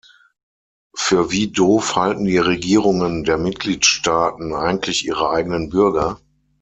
Für wie doof halten die Regierungen der Mitgliedstaaten eigentlich ihre eigenen Bürger?